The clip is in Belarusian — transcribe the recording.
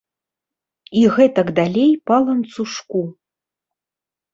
І гэтак далей па ланцужку.